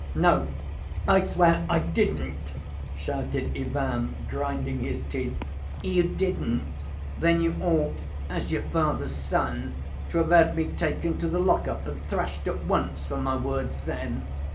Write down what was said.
"No, I swear I didn't!" shouted Ivan, grinding his teeth. "You didn't? Then you ought, as your father's son, to have had me taken to the lock‐up and thrashed at once for my words then